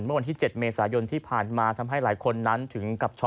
เมื่อวันที่๗เมษายนที่ผ่านมาทำให้หลายคนนั้นถึงกับช็อ